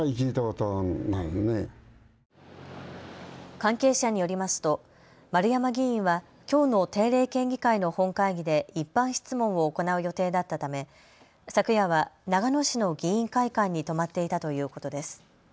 関係者によりますと丸山議員はきょうの定例県議会の本会議で一般質問を行う予定だったため昨夜は長野市の議員会館に泊まっていたということです。